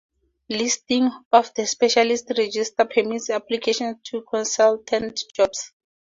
Listing on the Specialist Register permits application to consultant jobs.